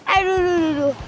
aduh duh duh